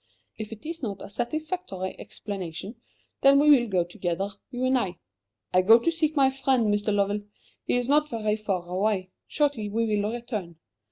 If it is not a satisfactory explanation, then we will go together, you and I.' I go to seek my friend, Mr. Lovell. He is not very far away. Shortly we will return.